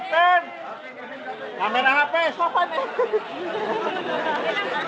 pak menteri pak menteri